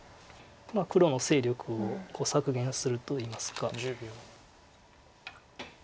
黒の勢力を削減するといいますか。